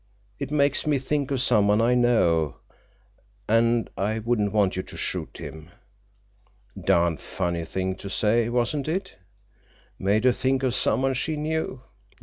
It makes me think of someone I know—and I wouldn't want you to shoot him.' Darned funny thing to say, wasn't it? Made her think of someone she knew!